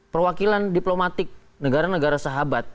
perwakilan diplomatik negara negara sahabat